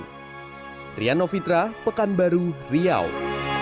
diperkirakan sekitar lima ratus meter dari pelabuhan